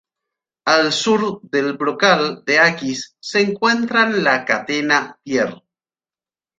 Al sur del brocal de Akis se encuentra la Catena Pierre.